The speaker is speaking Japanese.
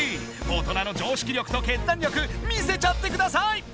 大人の常識力と決断力見せちゃってください！